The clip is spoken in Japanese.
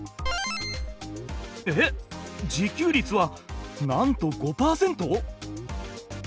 えっ自給率はなんと５％！？